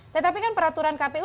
tetapi kan peraturan kpu